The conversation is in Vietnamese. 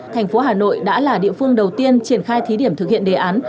thành phố hà nội đã là địa phương đầu tiên triển khai thí điểm thực hiện đề án